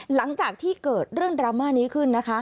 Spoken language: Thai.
หลังจากที่เกิดเรื่องดราม่านี้ขึ้นนะคะ